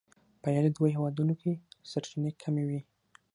په یادو دوو هېوادونو کې سرچینې کمې وې.